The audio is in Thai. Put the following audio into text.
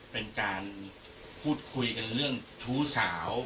เป็นการพูดคุยกันเรื่องชู้สาว